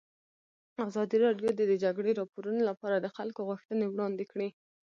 ازادي راډیو د د جګړې راپورونه لپاره د خلکو غوښتنې وړاندې کړي.